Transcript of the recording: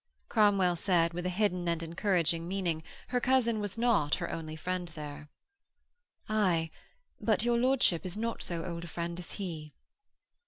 Cromwell said, with a hidden and encouraging meaning, her cousin was not her only friend there. 'Aye, but your lordship is not so old a friend as he.'